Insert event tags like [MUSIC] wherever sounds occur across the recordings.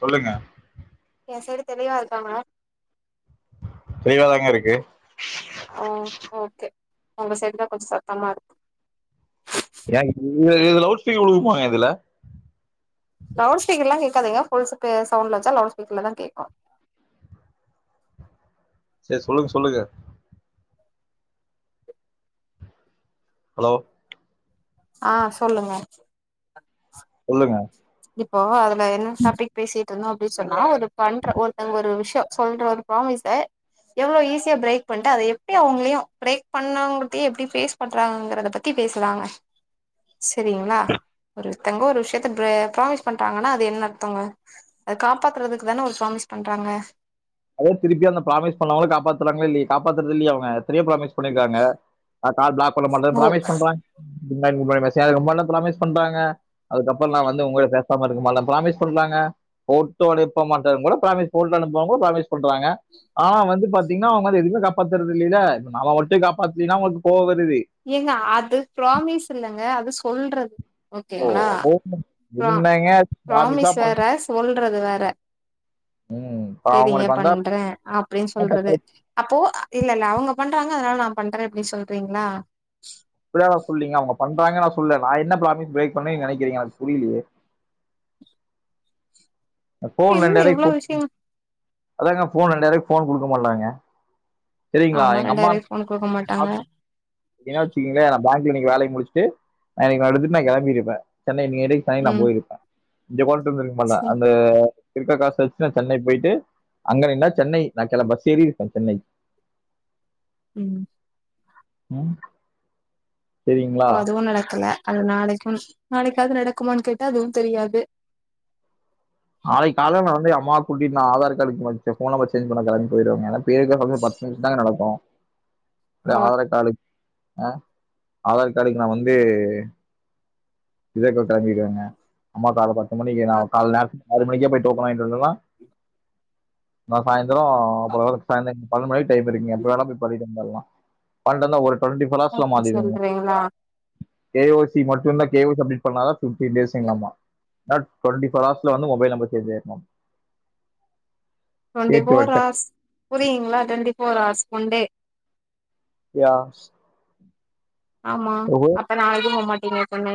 சொல்லுங்க என் சைடுதெளிவா இருக்காங்க தெளிவாதாங்க இருக்கு ஓ ஓகே உங்க சைட் தா கொஞ்சோ சத்தமா இருக்கு ஏங்க இது இதுல லவு்ட்ஸ்பீ்க்கர் வுழுகும்மாங்க இதுல லவுட் ஷ்ப்பீக்கர் எல்லா கேக்காதுங்க ஃபுல் சவுண்ட்ல வச்சா லவுட் ஷ்பீக்கர்ல தான் கேக்கு சேரி சொல்லுங்க சொல்லுங்க ஹலோ ஆ சொல்லுங்க சொல்லுங்க இப்போ அதுல என்ன டாபிக் பேசிட்டு இருந்தோ அப்டின்னு சொன்னா ஒரு பண்ற ஒருத்தங்க ஒரு விஷயோ சொல்ற ஒரு ப்ராமிஸ் அ எவ்வளோ ஈஸியா பிரேக் பண்ணிட்டு அத எப்டி அவங்களையு பிரேக் பண்ணவங்க கிட்டயு எப்டி பே பண்றாங்கறத பத்தி பேசுறாங்க செரிங்களா ஒருத்தங்க ஒரு விஷயத்த ப்ரே ப்ராமிஸ் பண்டாங்கன்னா அது என்ன அர்த்தங்க அதை காப்பாத்துறதுக்கு தானே ஒரு ப்ராமிஸ் பண்றாங்க அதே திருப்பி அந்த பிராமிஸ் பண்ணவங்கள காப்பாத்துறாங்கள இல்லைய காப்பாத்துறது இல்லை எத்தனையோ பிராமிஸ் பண்ணிருக்காங்க கால் பிளாக் பண்ண மாட்டே ஓ ப்ராமிஸ் பண்றாங்க சும்மா இருங்க பாய் ம சேலம் ரொம்பலா ப்ராமிஸ் பண்றாங்க அதுக்கப்பறோ நா வந்து ஓங்கூட பேசாம இருக்கமாட்டே ப்ராமிஸ் பண்றாங்க ஃபோட்டோ அனுப்ப மாட்டேன் கூட ப்ராமிஸ் ஃபோட்டோ அனுப்புவாங்க பிராமிஸ் பண்றாங்க ஆனா வந்து பாத் தீங்னா அவுங்க எதுமே காப்பாத்றது இல்லேல நாம மட்டு காப்பாத்துலீனா அவுங்களுக்கு கோவருது ஏங்க அது ப்ராமிஸ் இல்லங்க அது சொல்ற ஓகேங்களா ப்ரா என்னங்க ப்ராமிஸா ப்ராமிஸ் பண் வேற சொல்றது வேற ம். இப்ப சேரிங்க அவங்களுக்கு வந்தா பண்றே அப்டின் சொல்றது அப்போ இல்ல இல்ல அவுங்க பண்றாங்க அதுனால நா பண்றே அப்டின் சொல்றீங்களா அப்பில்லா நெனப்பில்லங்க அவுங்க பண்றாங்க நா சொல்லல நா என்ன பிராமிஸ் பிரேக் பண்ணேன் நீங்க நெனைக்கிறீங்க எனக்கு புரீலயே ஃபோன் என்ன ரெண்டாயிர் எவ்ளோ ரூவாய்க்கு விஷயங்க அதாங்க ஃபோன் ரெண்டாயிர ரூபாய்க்கு ஃபோன் குடுக்க மாட்டாங்க சரிங்களா? ஆமா எங்க ரெண்டாயிருவாய்க்கு ஃபோன் குடுக்க மாட்டாங்க இல்லேனா வச்சக்கீங்களே நா பேங்க்ல இன்னைக்கு வேலைய முடிச்ட்டு நா இன்னைக்கு நா எடுத்துட்டு நா கெளம்பிருப்பே சென்னை நியடி ட்ரெய்ன் நா ம் போயிருப்பே இங்க உக்காந்துட்டு இருக்கமாட்டே சரி அந்த இருக்க காச வச்சு நா சென்னை போயிட்டு அங்க ரெண்ட்நாள் சென்னை நா கெள பஸ் ஏறிருப்பே சென்னை ம் ம் சரிங்களா? இப்போ அதுவு நடக்கல அது நாளைக்கும் நாளைக்காவது நடக்குமானு கேட்டா அதுவும் தெரியாது நாளைக்கு காலேல நா வந்து அம்மாவ கூட்டிட்டு நா ஆதார் கார்டுக்கு மச்ச ஃபோன் நம்பர் சேஞ்ச் பண்ண கிளம்பி போயிருவங்க அதா பேருக்குதா [UNINTELLIGIBLE] நிமிஷோ தாங்க நடக்கு அப்டியே ஆ ஆதார் கார்டு ஆ ஆதார் கார்டுக்கு நா வந்து இத இப்போ கெளம்பிற்வங்க அம்மா காலேல பத்து மணிக்கு நா ஆ காலேல லேப் ஆறு மணிக்கே போய் டோக்கன் வாங்கிட்டு வந்தர்லா நா சாய்ந்தரோ போல வார்க் சானிக் பன்னண்டு மணி வரைக் டைம் இருக்குங்க எப்ப வேணா போய் பண்ணிட்டு வந்தற்லா பன்னன்டுனா ஒரு டுவெண்ட்டி ஃபோர் ஹார்ஸ்ல அப்டி மாத்திற்வங்க சொல்றீங்களா கே ஓ சி மட்டுனா கே ஓ சி அப்டேட் பண்ணாதா ஃபிப்டி டேஸ்ஸுங்களாமா டா டொண்டி ஃபோர் ஹார்ஸ்ல வந்து மொபைல் நம்பர் சேஞ்சாயிருமா டொண்டி கேட்டு ஃபோர் வரட்டேன் ஹார்ஸ் புரியீங்களா twenty four hours one day யா ஆமா ஓஹோ அப்ப நாளைக்கு போமாட்டீங்க சென்னை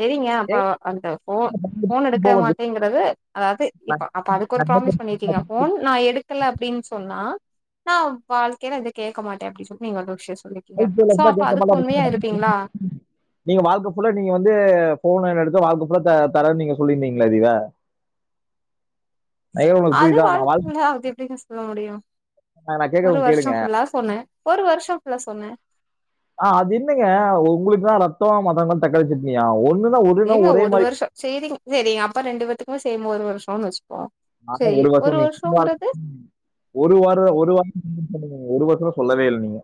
செரிங்க அப்ப அந்த ஃபோ ஃபோன் எடுக்க மாட்டேங்கிறது அதாவது இப்ப அப்ப அதுக்கு ஒரு ப்ராமிஸ் பண்ணிருக்கீங்க ஃபோன் நா எடு க்கல அப்டின் சொன்னா நா வாழ்க்கேல இத கேக்க மாட்டே அப்டி சொல்ட்டு நீங்க ஒரு விஷ்யோ சொல்லி லைஃப் ஸ்டெய்ல இருந்தா கேக்க மாட்டே [UNINTELLIGIBLE] நீங்க வாழ்க்க ஃபுல்லா நீங்க வந்து ஃபோனுன் எடுத்தா வாழ்க்க ஃபுல்லா த தரன் நீங்க சொல்லிருந்தீங்ளா இதிர உனக்கு அது புரியுதா நான் வாழ்க்க ஃபுல்லா அது எப்டிங்க சொல்ல முடியு வாழ்க்கை நான் ஒரு கேட்கறவங்க கேளுங்க வர்ஷோ ஃபுல்லா சொன்னோ ஒரு வர்ஷோ ஃபுல்லா சொன்னே ஆ அது என்னங்க ஒங்களுக்குனா ரத்தோ மத்தவங்களுக்கு தக்காளி சட்னியா ஒன்னு ஏங்க ஒரு வருஷோ சேரிங் சேரிங்க அப்ப ரெண்டு பேத்துக்குமே சேம் ஒரு வருஷோன் வச்சுப்போ அப்ப செரி ஒரு வருஷோ நீங்க வருஷோங்கிறது [UNINTELLIGIBLE] ஒரு வாரோ ஒரு வா ஒரு வருஷல்லா சொல்லவே இல்ல நீங்க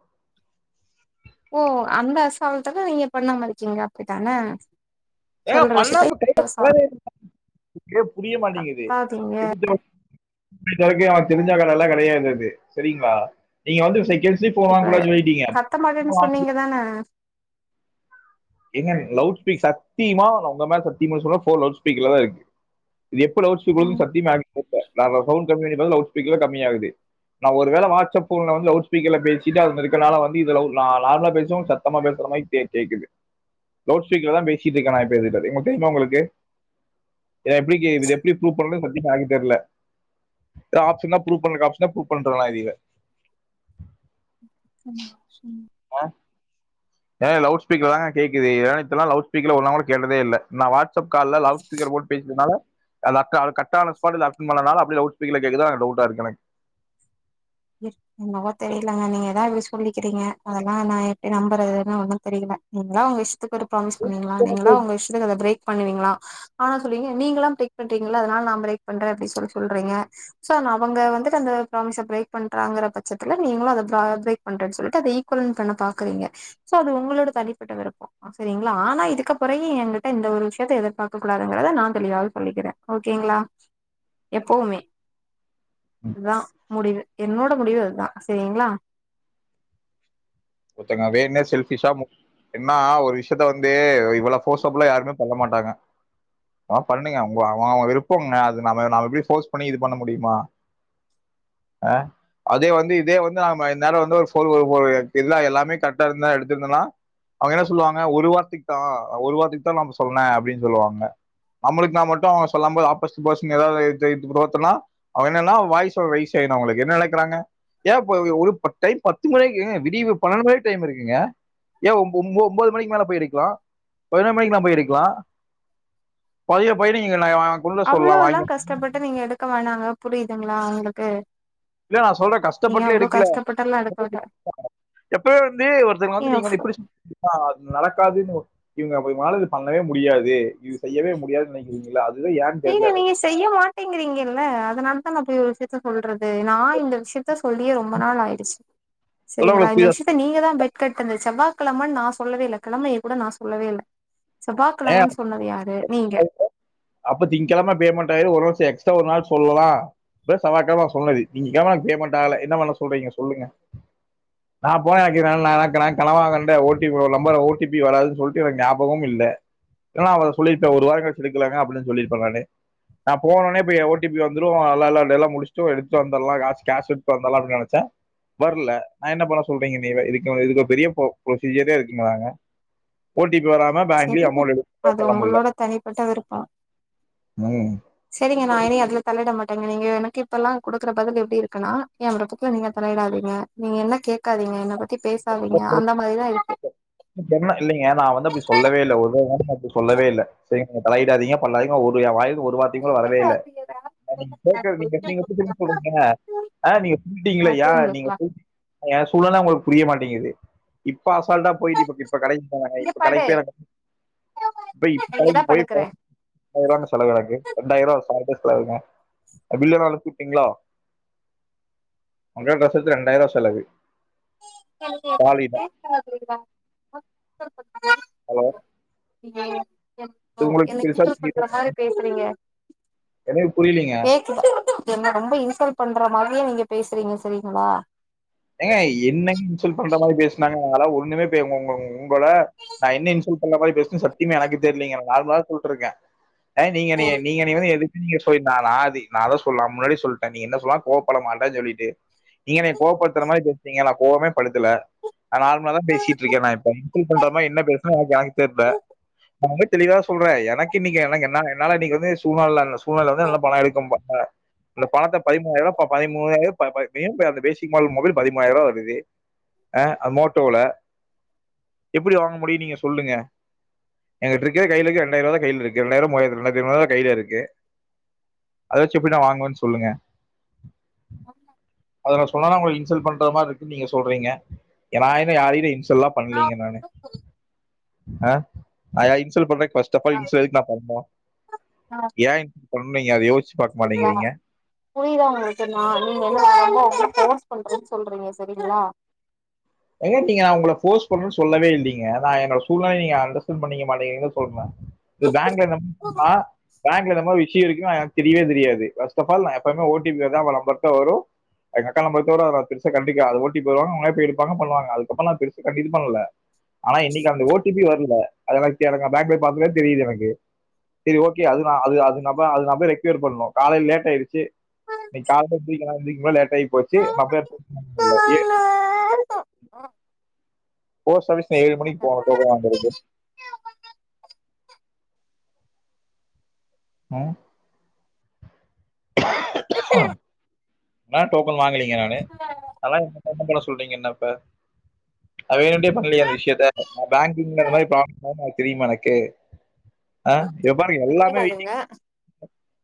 ஓ அந்த அசால்ட்டாதா நீங்க பண்ணமா இருக்கீங்க அப்டித்தான ஏங்க சொல்ற பண்ணாம விஷயத்த அசால்ட் கரெட்டா [UNINTELLIGIBLE] புரிய மாட்டேங்குது கத்தாதீங்க எதுக்கு [UNINTELLIGIBLE] அவ தெருஞ்ச கடேலா கெடையாது அது சரிங்களா நீங்க வந்து செகேன்ஸ் ஜி ஃபோன் வாங்க கூடாதுன் சொல்லீட்டீங்க அதான ஏங்க லவுட் ஸ்பீக் சத்தியமா நா ஒங்க மேல சத்தியமா சொல்றே ஃபோன் லவுட் ஸ்பீக்கர் ல தா இருக்கு இது எப்ப லவுட் ஸ்பீக்கர் விழுகுதுனு ம் சத்தியமா யாருக்கு தெரியல சவுண்ட் கம்மி பண்ணி பார்த்தா லவுட் ஸ்ப்பீக்கருல கம்மியாகுது நா ஒரு வேள வாட்ஸ்அப் போன்ல வந்து லவுட் ஸ்பீகர்ல பேசிட்டு அந்த இருக்கிறால வந்து இதுல நார்மலா பேசும் சத்தமா பேசுற மாரி கே கேக்குது லவ்டு ஸ்பீக்கர்ல தா பேசிட்டு இருக்க நா இப்ப இதுகிட்ட தெரியுமா உங்களுக்கு இத எப்டி இ இத எப்டி ப்ரூஃப் பண்ணனு சத்தியமா எனக் தெர்ல வேற ஆப்ஷன்னா ப்ரூஃப் பண்றக் ஆப்ஷனா ப்ரூஃப் [UNINTELLIGIBLE] [UNINTELLIGIBLE] ஆ ஏங்க லவ்டுஸ்பீக்கர்ல தாங்க கேக்குது என்னால இத்தனநாள் லவ்டுஸ்பீக்கரில் ஒரு நாளுங்கூட கேட்டதே இல்லை நா வாட்அப் கால்ல லவ்டு ஸ்பீக்கர் போட்டு பேசினதால அந்த அக்கா அது கட் ஆனா ஸ்பாட்ல அட்டன் பண்ணனால லவுட் ஷ்ப்பீக்கர்ல கேக்குதானு டவுட்டா இருக்கு எனக்கு என்னவோ தெரிலங்க நீங்க ஏதாவது சொல்லிக்கிறீங்க அதெல்லா நா எப்டி நம்பறதுன்னு ஒன்னு தெரியல நீங்களா உங்க இஷ்டத்துக்கு ஒரு ப்ராமிஸ் பண்வீங்களா நீங்களா உங்க இஷ்டத்துக்கு அத பிரேக் பண்ணுவீங்களா ஆனா சொல்வீங்க நீங்கல்லா பிரேக் பண்றீங்கல்ல அதனால நா பிரேக் பண்றே அப்டினு சொல்லி சொல்றீங்க சோ அவங்க வந்துட்டு அந்த ப்ராமிஸ் பிரேக் பண்றாங்கற பட்சத்துல நீங்களு அத பிரேக் பண்றேன்னு சொல்லிட்டு அத ஈக்குவல் பண்ண பாக்குறீங்க சோ அது உங்களோட தனிப்பட்ட விருப்பம் சரிங்களா ஆனா இதுக்கப்பறயு என்கிட்ட இந்த ஒரு விஷயத்த எதிர்பார்க்க கூடாதுங்கறத நா தெளிவா சொல்லிக்கிறே ஓகேங்களா எப்போவுமே இதா முடிவு என்னோட முடிவு இதுதா சேரிங்களா ஒத்தங்க வேணும்னே செல்ஃபிஷா என்னா ஒரு விஷயத்த வந்து இவளோ க்ளோஸப்ல யாருமே போக மாட்டாங்க பண்ணுங்க அவங்க அவங்க அவங்க விருப்பங்க அது நம்ம நாம எப்படி ஃபோர்ஸ் பண்ணி இது பண்ண முடியுமா ஆ அதே வந்து இதே வந்து இந்தாளு வந்து ஒரு [UNINTELLIGIBLE] இதா எல்லாமே கரெக்ட்டா இருந்தா எடுத்துக்கலா அவங்க என்ன சொல்லுவாங்க ஒரு வார்த்தைக்கு தா ஒரு வார்த்தைக்கு தா நா சொன்னே அப்டின்னு சொல்லுவாங்க நம்புளுக்கு நான மட்டு அவன் சொல்லும் போது ஆப்போசிட் பர்ஷன் எதாவது எதிர்த்து [UNINTELLIGIBLE] அவன் என்னன்னா வாய்ச ரெய்சு செய்னு அவங்களுக் என்ன நெனைக்கிறாங்க ஏ ஒரு டைம் பத்து மணிக்கு விடிவு பண்னெண்டு மணி வரை டைம் இருக்குங்க ஏ ஒம்போது மணிக்கு மேல போயிருக்கலா எடுக்கலாம் பதினோரு மணிக்கு நா போயிருக்கலா பதிவ பயிர நீங்க [UNINTELLIGIBLE] அவ்ளோலா வாங்கி கஷ்டப்பட்டு நீங்க எடுக்க வேணாங்க புரியுதுங்களா உங்களுக்கு இல்ல நா சொல்றே நீங்க கஷ்டப்பட்டுலா அவ்ளோ எடுக்கல கஷ்டப்பட்டெல்லா எடுக்க வேண்டா [UNINTELLIGIBLE] எப்பயோ வந்து ஒருத்தரவங்கள வந்து ஏங்க நீங்க வந்து இப்டி அ அது நடக்காதுன்னு இவங்கனாலது பண்ணவே முடியாது இது செய்யவே முடியாது நினை இல்ல அதுதா ஏன்னு ஏங்க தெர்ல நீங்க எனக்கு செய்ய மாட்டேங்கிறீங்கல்ல அதனால தா போய் ஒரு என்னத்த சொல்றது நான இந்த விஷயத்த சொல்லியே ரொம்ப நாள் ஆயிடுச்சு சொல்ல சரிங்களா உங்களுக்கு இந்த புரியுதா விஷயத் நீங்க தா பெட் கட்டினது செவ்வாய் கிழமன்னு நா சொல்லவே இல்ல கிழமைய கூடா நா சொல்லவே இல்ல ஏன் செவ்வாக்கிழமன்னு சொன்னது யாரு நீங்க அப்ப திங்க்கிழம பேமெண்ட் ஆயிரு ஒரு வருஷம் எக்ஸ்ட்ரா ஒரு நாள் சொல்லலா பிளஸ் அவனுக்காக நா சொன்னது திங்ககழம பேமெண்ட் ஆகல என்ன பண்ண சொல்றீங்க சொல்லுங்க நா போன் வைக்கிற நா என்ன கனவாங்கண்ட ஓ டி ஒரு நம்பர் ஓ டி பி வராதுன்னு சொல்ட்டு ஒரு ஞாபகமூ இல்ல ஏனா அவன் சொல்லிருப்பே ஒரு வாரம் கழிச்சு எடுக்கலாங்க அப்டின்னு சொல்லிருப்பே நானே நா போனடனே ஓ டி பி வந்துரு அல்லா அல்லான்டு எல்லா முடிச்ட்டு எடுத்துட்டு வந்தர்லா கேஷ் எடுத்து வந்தர்லா அப்பின்னு நெனைச்ச வர்ல நா என்ன பண்ண சொல்றீங்க நீவே இதுக்கு இது ஒரு பெரிய ப்ரொசீஜரே இருக்குங்கறாங்க ஓடிபி வராம பேங்க்கியு ம் அது உங்களோட தனிப்பட்ட விருப்போ ம். சரிங்க நா இனி அதுல தளையிட மாட்டேங்க நீங்க எனக்கு இப்ப எல்லாம் கொடுக்குற பதில் எப்டி இருக்குன்னா ஏன் விருப்பதுல நீங்க தலையிடாதீங்க நீங்க என்ன கேட்காதீங்க என்னை பத்தி பேசாதீங்க அந்த மாரிதா இருக்கு சொ இல்லைங்க நா வந்து அப்டி சொல்லவே இல்லை ஒருவாட்டியு நான் அப்டி சொல்லவே இல்ல சரிங்க தலையிடாதீங்க பண்ணாதீங்க ஒரு என் வாயில இருந்து ஒரு வார்த்தையு கூட வரவே இல்ல [UNINTELLIGIBLE] நீங்க எப்டி தெரிமா சொல்றீங்க அ நீங்க ஆ சொல்லிட்டீங்கள யா தூங்கு நீங்க வா சொல்லிட்டீங்க என் சூழ்நெல உங்களுக்கு புரிய மாட்டேங்குது இப்ப அசால்டா போயிட்டு இப்ப இப்ப கடைக்கு போரங்க இங்க இப்ப படு கடைக்கு நா போய் இப்ப இங்கதா இப்ப கடைக்கு போய் படுக்குறே ரெண்டாயிரரூவா செலவ் எனக்கு ரெண்டாயிர ரூவா [UNINTELLIGIBLE] செலவுங்க பில்லலா அனுப்பிட்டீங்ளா உங்க ட்ரெஸ் எடுத்து ரெண்டையாறுவா செலவு சாலிடா [UNINTELLIGIBLE] ஹலோ அ ம் இது ஓ உங்களுக்கு என்ன பெருசா கின்டல் பண்ற தெரியல மாரி பேசுறீங்க எனக்கு புரியலீங்க கேக்ல என்ன ரொம்ப இன்சல்ட் பண்ற மாரியே நீங்க பேசுறீங்க சரிங்களா ஏங்க என்ன இன்சல்ட் பண்ற மாரி பேசுனாங்க அதா ஒண்ணுமே பே உங்க உங்கள நா என்ன இன்சல்ட் பண்ண மாரி பேசன சத்திமா எனக்கு தெர்லிங்க நார்மலா சொல்டுருகே நீங்க என்னைய நீங்க நீ வந்து எதுமே நீங்க சொல்ட்டா லாதி நா அதா சொல்ல முன்னாடி சொல்ட்டே நீ என்ன சொல்லா கோவபடமாட்டேனு சொல்லிட்டு நீங்க என்னைய கோவப்படுத்துற மாரி பேசுறீங்க நா கோவமே படுத்தல நா நார்மல தா பேசிட்டு இருக்கே நா இப்ப இன்சல்ட் பண்ற மாறி என்ன பேஸ்னனு எனக்கு தெர்ல நா வந்து தெளிவாதா சொல்றே எனக்கு இன்னைக்கு எனக்கு என்ன என்னால இன்க்கு வந்து சூழல்லலா சூழ்நல வந்து நல்லா பணம் எடுக்கும்பாங்க அந்த பணத்தை பதிமூணாயிர பதிமூனாயிரோ ப ப பெய் போய் அவர்ட பேசிக்க மூவாயருவா மொபைல் பதிமூனாயிரரூவா வருது அ அது மோட்டோல எப்டி வாங்க முடியு நீங்க சொல்லுங்க எங்ககிட்டருக்கறதே கைலக்கு ரெண்டையாருவாதா கைல இருக்கு ரெண்டாயறுவா மூவாயருவா ரெண்டையரதி ஐநூருவா தா கைல இருக்கு அத வச்சு எப்டி நா வாங்குவன்னு சொல்லுங்க அத சொன்னா உங்கள இன்சல்ட பண்ற மார்ருக்கு நீங்க சொல்றீங்க நா என்ன யாரையு இன்சல் செல்லா பண்ணலீங்க நானு அ ஐ யா இன்சல் பண்றே பஸ்ட் தப்பா இன்சல் எதுக்கு நா பண்ணு ஏ சொன்னீங்க அத யோஸ்ச்சி பாக் மாட்டங்கிறீங்க புரியுதா உங்களுக்கு நா நீங்க என்ன [INAUDIBLE] ஃபோர்ஸ் பண்றன்னு சொல்றீங்க சரிங்களா எங்க நீங்க அவுங்கள போர்ஸ் பண்ணு சொல்லவே இல்லிங்க என்னோட சூழ்நலைய நீங்க அண்டர்ஸ்டண்ட் பண்ணிக்க மாட்டேங்கீரிங்க சொல்ற இது பேங்க [UNINTELLIGIBLE] ஆ பேங்க்ல இந்த மாரி விஷியோ இருக்கு எனக்கு தெரிவே தெரியாது பஸ்ட்டாபால் நா எப்பையுமே ஓடிபி வந்து அவுங்க நம்பர்குதா வரு எங்க அக்காலா போய்ட்டு வரு பெருச கண்டிக்கல அது ஓடிபி வரு அவங்களே பெய் பக்க பண்ணுவாங்க அதுக்கப்றோனா பெருசா கண்டினியு பண்ணல ஆனா இன்னைக்கு அந்த ஓடிபி வரல அதுனால எனங்க பேங்க்ல போய் பாத்தவே தெரியுது எனக்கு சரி ஓகே அது நா அது அதுனப்ப அது நா பொய் ரெக்யூர் பண்ணு காலைல லேட் ஆயிடுச்சு இணைக் காலா வீட்ல எல்லா எந்திக்கு போது லேட் ஆய் போச்சு [UNINTELLIGIBLE] போஸ்ட் ஆபீஸ் நா ஏழு மணிக்கு போனு டோக்கன் வாங்கருக்கு ம் நா டோக்கன் வாங்கலீங்க நானு அதனால என் என்ன பண்ண சொல்றீங்க என்ன இப்ப வேணும்ட்டியே பண்லையே அந்த விஷியத்த நா பேங்கிங்ல இந்த மாரி பிராபலம் தெரிமா எனக்கு ஆ இங்க பாருங்க எல்லாமே தெரியாதுங்க வெய்டிங்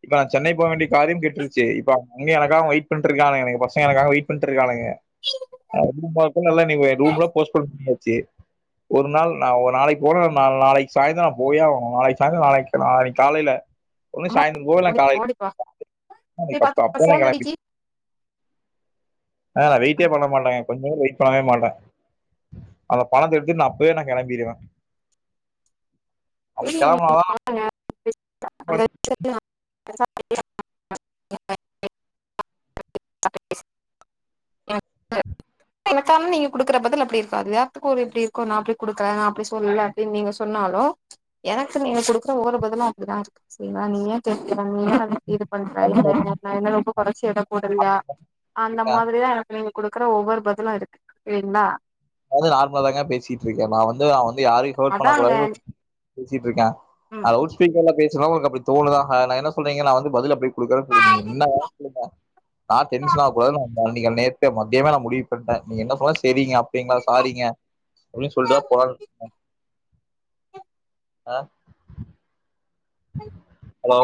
இப்ப நா சென்னை போக வேண்டிய காரியம் கெட்டுருச்சு இப்ப [INAUDIBLE] எனக்காக வெயிட் பண்ட்ருக்கானுங்க எனக் பசங்க எனக்காக வெயிட் பண்ட்ருக்கானுங்க. அதுவும் பாக்குணு அல்லா நீங்க ரூம்லா போஸ்ட்போன் பண்ணியாச்சி. ஒரு நாள் நா ஒ நாளைக் போனா நான் நாள் நாளைக் சாய்ந்தரோ போயே ஆவோணு நாளைக் சாய்ந்தரோ நாளைக் நாளைக் காலைல ஒன்னு சாய்ந்தர போவ இல்லனா ஓடி கால ஓடிப்பா ஏ [INAUDIBLE] அப்ப பாத்து அப்வே நா ஃபோன் கெளம்பி அடிக்கி அ நா வெயிட்டே பண்ண மாட்டங்க. கொஞ்ச நேரோ வெயிட் பண்ணவே மாட்டே. அந்த பணத்த எடுத்துட் நா அப்வே நா கெளம்பிருவே. அப் கெளம்புனாதா [INAUDIBLE] [INAUDIBLE] உஹம் எனக்கான் நீங்க குடுக்கற பதில் அப்பிடி இருக்காது எல்லாத்துக்கு ஒரு எப்டி இருக்கு நா அப்டி குடுக்கறே நா அப்டி சொல்ல. அப்டின் நீங்க சொன்னாலு எனக்கு நீங்க குடுக்குற ஒவ்வொரு பதிலு அப்டிதா இருக்கு செரிங்ளா நீ ஏ கேக்ற நீ ஏ இது கொஞ்ச [UNINTELLIGIBLE] நா என்ன ரொம்ப கொறச்சு எட போட்றியா அந்த தான் மா இப்படிதா எனக்கு நீங்க குடுக்குற ஒவ்வொரு பதிலு இருக்கு இல்லைங்ளா? நா வந்து நார்மலா தாங்க பேசிட்டு இருக்கே நா வந்து நா வந்து யாரையு ஹர்ட் பண்ணக் அதாங்க கூடாது பேசிட்டு இருக்கே. ம் நா லவ்ட் ஸ்பீக்கர்ல பேசுனா உங்குளுக்கு அப்டி தோணுதா ஹ நா என்ன சொல்றீங்க நா வந்து பதில் அப்பிடி குடுக்குறேன் சொல்லிந்தீங்க என்ன [INAUDIBLE] நா டென்ஷன் கூடாதுனு [UNINTELLIGIBLE] நேத்தே மத்தியமே நா முடிவு பண்டே நீ என்ன சொன்னா செரிங்க அப் கேங்ளா சாரீங்க அப்டின் சொல்ட்டுதா போலான் [INAUDIBLE] அ ஹலோ?